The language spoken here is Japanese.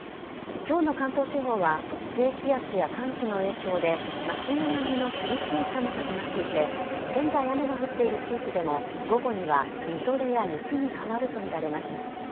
きょうの関東地方は、低気圧や寒気の影響で、真冬並みの厳しい寒さとなっていて現在、雨が降っている地域でも、午後にはみぞれや雪に変わると見られます。